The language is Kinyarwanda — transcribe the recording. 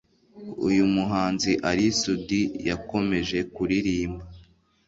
Uyu muhanzi Ally Soudy yakomeje kuririmba